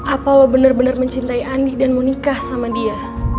apa lo benar benar mencintai andi dan mau nikah sama dia